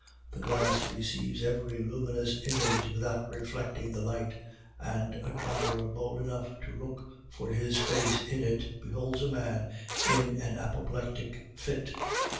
The glass receives every luminous image without reflecting the light, and a traveler bold enough to look for his face in it beholds a man in an apoplectic fit.